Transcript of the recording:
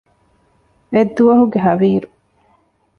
އެއްދުވަހުގެ ހަވީރު